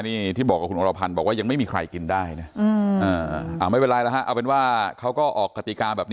เดินทางมาท้าประลองนะครับ